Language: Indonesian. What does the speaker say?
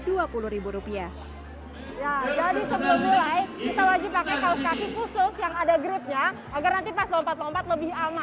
jadi sebelum mulai kita wajib pakai kaos kaki khusus yang ada grupnya agar nanti pas lompat lompat lebih aman